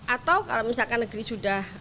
atau kalau misalkan negeri sudah